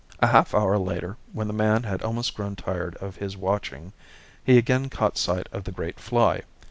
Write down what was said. A half hour later, when the man had almost grown tired of his watching, he again caught sight of the great fly.